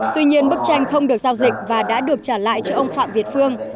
tuy nhiên bức tranh không được giao dịch và đã được trả lại cho ông phạm việt phương